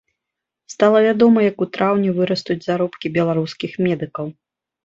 Стала вядома, як у траўні вырастуць заробкі беларускіх медыкаў.